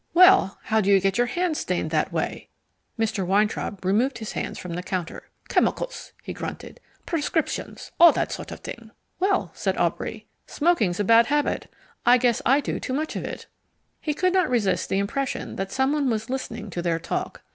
"Well, how do you get your hands stained that way?" Mr. Weintraub removed his hands from the counter. "Chemicals," he grunted. "Prescriptions all that sort of thing." "Well," said Aubrey, "smoking's a bad habit. I guess I do too much of it." He could not resist the impression that someone was listening to their talk.